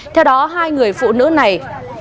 theo đó hai người phụ nữ này